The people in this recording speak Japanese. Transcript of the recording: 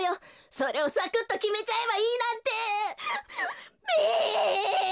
それをサクッときめちゃえばいいなんてべ！